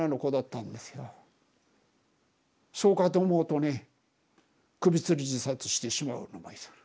そうかと思うとね首つり自殺してしまうのがいる。